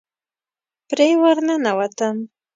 پرې ورننوتم.